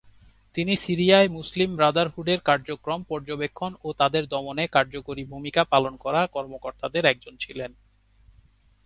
তিনি সিরিয়ায় মুসলিম ব্রাদারহুডের কার্যক্রম পর্যবেক্ষণ ও তাদের দমনে কার্যকরী ভূমিকা পালন করা কর্মকর্তাদের একজন ছিলেন।